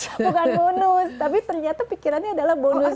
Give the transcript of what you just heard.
bukan bonus tapi ternyata pikirannya adalah bonus